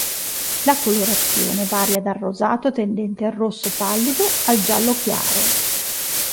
La colorazione varia dal rosato tendente al rosso pallido al giallo chiaro.